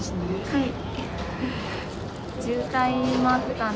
はい。